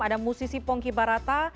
ada musisi pongki barata